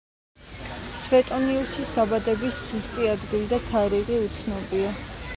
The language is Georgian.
სვეტონიუსის დაბადების ზუსტი ადგილი და თარიღი უცნობია.